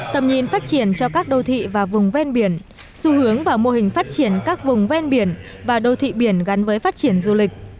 tầm nhìn phát triển cho các đô thị và vùng ven biển xu hướng và mô hình phát triển các vùng ven biển và đô thị biển gắn với phát triển du lịch